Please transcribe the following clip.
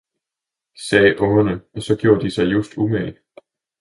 sagde ungerne, og så gjorde de sig just umage.